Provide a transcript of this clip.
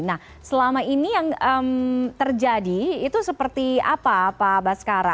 nah selama ini yang terjadi itu seperti apa pak baskara